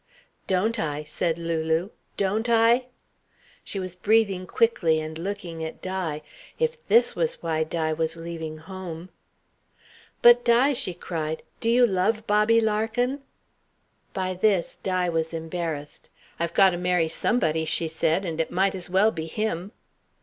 "Don't I?" said Lulu. "Don't I?" She was breathing quickly and looking at Di. If this was why Di was leaving home.... "But, Di," she cried, "do you love Bobby Larkin?" By this Di was embarrassed. "I've got to marry somebody," she said, "and it might as well be him."